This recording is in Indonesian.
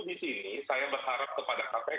di sini saya berharap kepada kpk